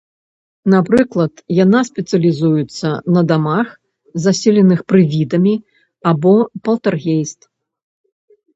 Напрыклад, яна спецыялізуецца на дамах, заселеных прывідамі або палтэргейст.